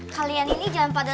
kalian ini jangan pada